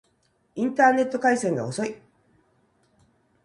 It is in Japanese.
インターネット回線が遅い